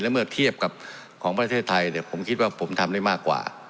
เมื่อเทียบกับของประเทศไทยผมคิดว่าผมทำได้มากกว่า